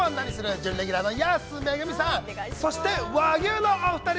準レギュラーの安めぐみさん、そして、和牛のお二人。